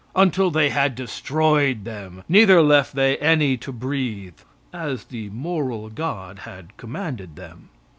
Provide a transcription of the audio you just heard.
] until they had destroyed them, neither left they any to breathe. [As the moral god had commanded them.